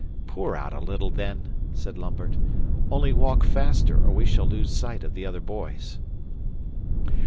"Pour out a little, then," said Lambert, "only walk faster or we shall lose sight of the other boys."